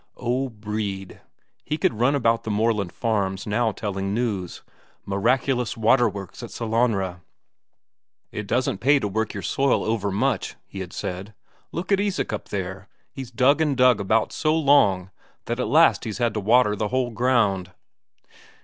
Oh, Brede, he could run about the moorland farms now telling news: miraculous waterworks at Sellanraa! "It doesn't pay to work your soil overmuch," he had said. "Look at Isak up there; he's dug and dug about so long that at last he's had to water the whole ground."